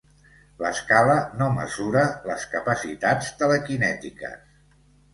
L'escala no mesura les capacitats telekinètiques.